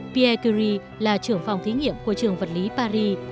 pierre curie là trưởng phòng thí nghiệm của trường vật lý paris